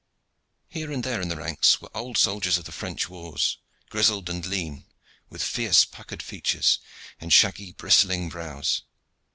Here and there in the ranks were old soldiers of the French wars, grizzled and lean, with fierce, puckered features and shaggy, bristling brows.